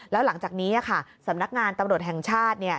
แล้วหลังจากนี้สำนักงานตำรวจแห่งชาติ